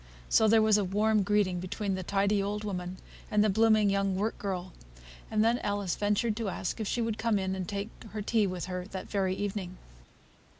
So there was a warm greeting between the tidy old woman and the blooming young work girl; and then Alice ventured to ask if she would come in and take her tea with her that very evening.